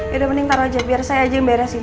ya udah mending taro aja biar saya aja yang beresin